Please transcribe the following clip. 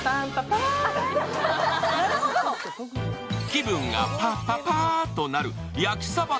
気分がパンパパーンとなる焼きサバ